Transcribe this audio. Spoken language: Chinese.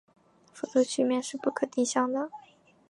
否则曲面是不可定向的。